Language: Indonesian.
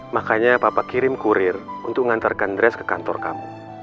makanya papa kirim kurir untuk mengantarkan dres ke kantor kamu